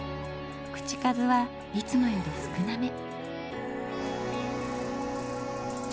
口数はいつもより少なめ。